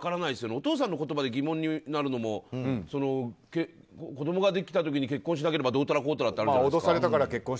お父さんの言葉で疑問になるのも子供ができた時に結婚しなければどうたらこうたらとあるじゃないですか。